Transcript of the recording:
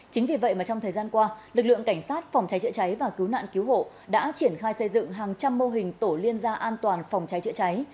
chính vì vậy mà trong thời gian qua lực lượng cảnh sát phòng cháy chữa cháy và cứu nạn cứu hộ đã triển khai xây dựng hàng trăm mô hình tổ liên gia an toàn phòng cháy chữa cháy